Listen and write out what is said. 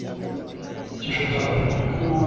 Ikindi gishoboka cyabaye kuri Tom.